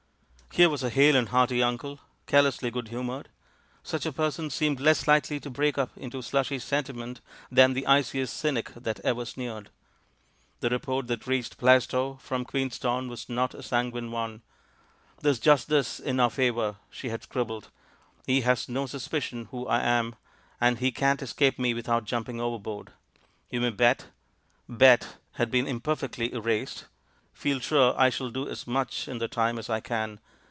Here was a hale and hearty uncle, carelessly good humoured. Such a person seemed less likely to break up into slushy senti ment than the iciest cynic that ever sneered. The report that reached Plaistow from Queenstown was not a sanguine one. "There's just this in our favour," she had scribbled: "he has no sus picion who I am, and he can't escape me without THE FAVOURITE PLOT 271 jumping overboard. You may bet" — "bet" had been imperfectly erased — "feel sure I shall do as much in the time as I can.